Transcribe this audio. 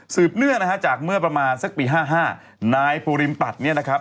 สืบเนื้อนะครับจากเมื่อประมาณสักปี๕๕นายปูริมปัดนี้นะครับ